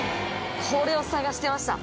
これを探してました。